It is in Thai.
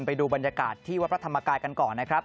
ไปดูบรรยากาศที่วัดพระธรรมกายกันก่อนนะครับ